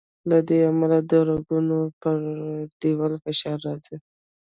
له دې امله د رګونو پر دیوال فشار راځي.